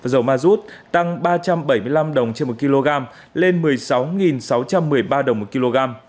dầu ma rút tăng ba trăm bảy mươi năm đồng trên một kg lên một mươi sáu sáu trăm một mươi ba đồng một kg